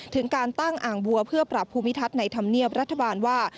ถึงการตั้งอ่างบัวเพื่อปรับภูมิทัศน์ในธรรมเนียบรัฐบาลว่า